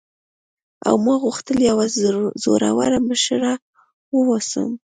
او ما غوښتل یوه زړوره مشره واوسم.